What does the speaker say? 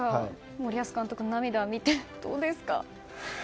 森保監督の涙を見てどうですか？